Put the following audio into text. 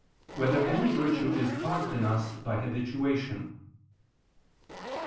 2] Whether Any Virtue Is Caused in Us by Habituation?